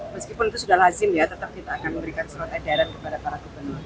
meskipun itu sudah lazim ya tetap kita akan memberikan surat edaran kepada para gubernur